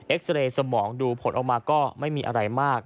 ซาเรย์สมองดูผลออกมาก็ไม่มีอะไรมาก